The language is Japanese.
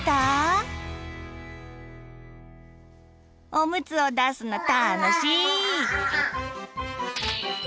おむつを出すの楽しい。